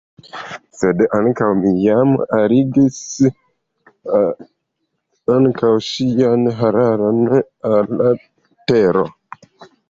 Sed mi jam alligis ankaŭ ŝian hararon al tero.